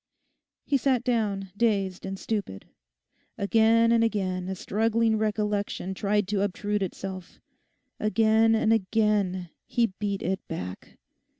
He sat down dazed and stupid. Again and again a struggling recollection tried to obtrude itself; again and again he beat it back.